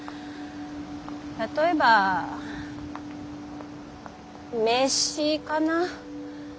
例えば名刺かな。